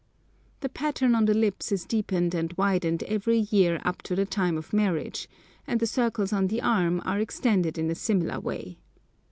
The pattern on the lips is deepened and widened every year up to the time of marriage, and the circles on the arm are extended in a similar way.